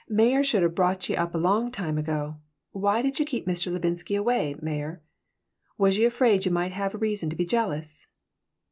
"Meyer should have broughchye up long ago. Why did you keep Mr. Levinsky away, Meyer? Was you afraid you might have reason to be jealous?"